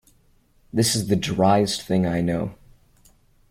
This is the driest thing I know.